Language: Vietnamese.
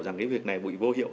rằng cái việc này vô hiệu